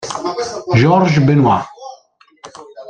Georges Benoît